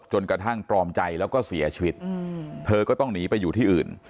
กระทั่งตรอมใจแล้วก็เสียชีวิตเธอก็ต้องหนีไปอยู่ที่อื่น